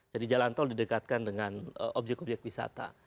jadi jalan tol didekatkan dengan objek objek wisata